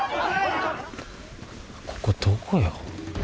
ここどこよ？